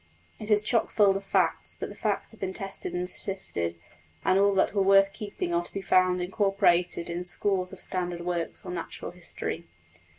It is chock full of facts; but the facts have been tested and sifted, and all that were worth keeping are to be found incorporated in scores of standard works on natural history.